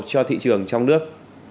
cho thị trường trong nước